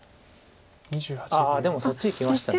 ああでもそっちいきました。